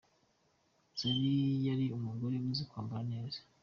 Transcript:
Zari yari umugore uzi kwambara neza.